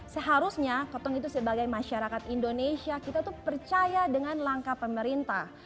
seharusnya kotong itu sebagai masyarakat indonesia kita itu percaya dengan langkah pemerintah